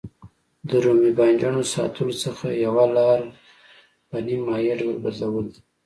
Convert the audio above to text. د رومي بانجانو ساتلو څخه یوه لاره په نیم مایع ډول بدلول دي.